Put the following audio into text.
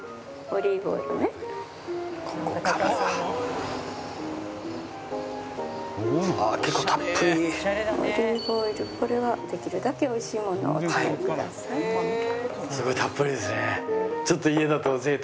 オリーブオイルこれはできるだけ美味しいものをお使いください。